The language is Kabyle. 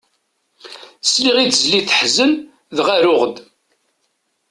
Sliɣ i tezlit teḥzen dɣa ruɣ-d.